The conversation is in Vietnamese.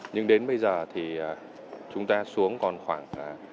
nhưng đến bây giờ thì chúng ta xuống còn khoảng sáu ba sáu năm